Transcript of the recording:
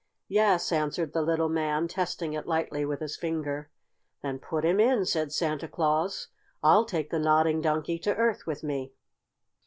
"Yes," answered the little man, testing it lightly with his finger. "Then put him in," said Santa Claus. "I'll take the Nodding Donkey to Earth with me."